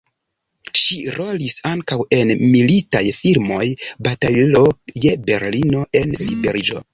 Ŝi rolis ankaŭ en militaj filmoj "Batalo je Berlino" en "Liberiĝo".